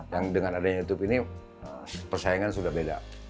yang dengan adanya youtube ini persaingan sudah beda